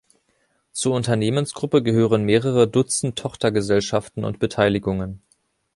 Zur Unternehmensgruppe gehören mehrere Dutzend Tochtergesellschaften und Beteiligungen.